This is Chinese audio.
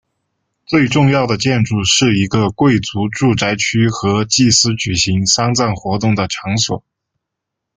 最重要的建筑是一个贵族住宅区和祭司举行丧葬活动的场所。